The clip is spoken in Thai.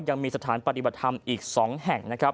ยังมีสถานปฏิบัติธรรมอีก๒แห่ง